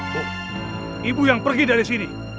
kok ibu yang pergi dari sini